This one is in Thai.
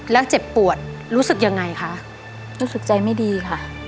แล้วเจ็บปวดรู้สึกยังไงคะรู้สึกใจไม่ดีค่ะ